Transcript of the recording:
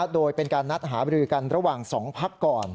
โดยเป็นการนัดหาบรือกันระหว่าง๒พักก่อน